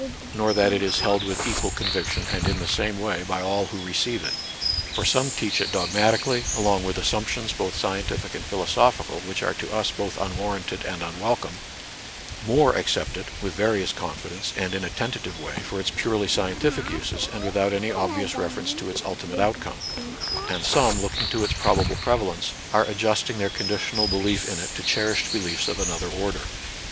Nor that it is held with equal 68 NATURAL SCIENCE AND RELIGION. conviction and in the same way by all who re ceive it ; for some teach it dogmatically, along with assumptions, both scientific and philosoph ical, which are to us both unwarranted and unwelcome ; more accept it, with various confi dence, and in a tentative way, for its purely scientific uses, and without any obvious refer ence to its ultimate outcome ; and some, look ing to its probable prevalence, are adjusting their conditional belief in it to cherished beliefs of another order.